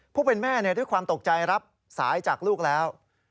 ผู้เป็นแม่ด้วยความตกใจรับสายจากลูกแล้ว